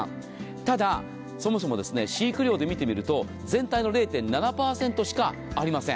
ただそもそも飼育量で見てみると全体の０．７％しかありません。